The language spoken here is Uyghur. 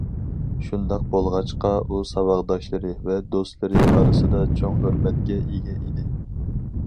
شۇنداق بولغاچقا ئۇ ساۋاقداشلىرى ۋە دوستلىرى ئارىسىدا چوڭ ھۆرمەتكە ئىگە ئىدى.